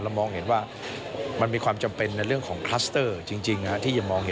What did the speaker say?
มองเห็นว่ามันมีความจำเป็นในเรื่องของคลัสเตอร์จริงที่จะมองเห็น